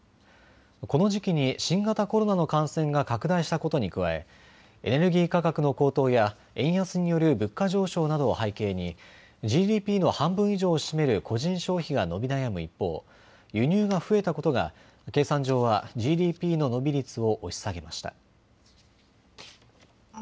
この時期に新型コロナの感染が拡大したことに加えエネルギー価格の高騰や円安による物価上昇などを背景にＧＤＰの半分以上を占める個人消費が伸び悩む一方、輸入が増えたことが計算上はＧＤＰの伸び率を押し下げました。